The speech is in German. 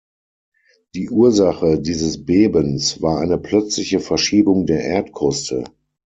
Die Ursache dieses Bebens war eine plötzliche Verschiebung der Erdkruste.